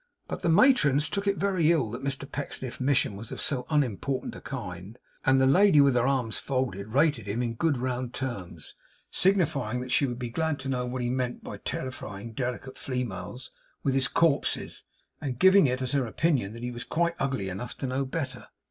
But the matrons took it very ill that Mr Pecksniff's mission was of so unimportant a kind; and the lady with her arms folded rated him in good round terms, signifying that she would be glad to know what he meant by terrifying delicate females 'with his corpses;' and giving it as her opinion that he was quite ugly enough to know better.